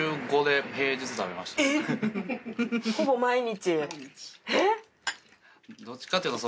ほぼ毎日。